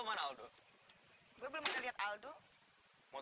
kalau d café mobosan barnz